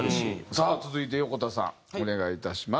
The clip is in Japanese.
さあ続いてヨコタさんお願いいたします。